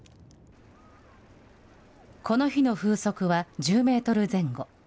この日の風速は１０メートル前後。